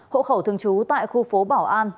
hộ khẩu thường trú tại khu phố bảo an